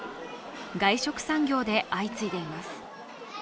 外食産業で相次いでいます。